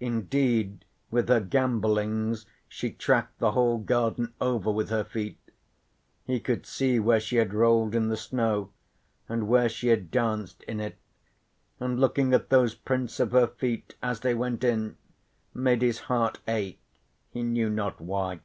Indeed with her gambollings she tracked the whole garden over with her feet; he could see where she had rolled in the snow and where she had danced in it, and looking at those prints of her feet as they went in, made his heart ache, he knew not why.